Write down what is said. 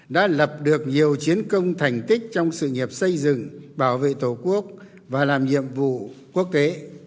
đã lập được nhiều chiến công thành tích trong sự nghiệp xây dựng bảo vệ tổ quốc và làm nhiệm vụ quốc tế